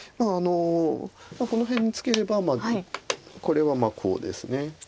この辺にツケればこれはコウです。